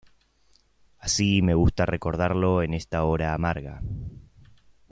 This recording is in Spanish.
Así me gusta recordarlo en esta hora amarga.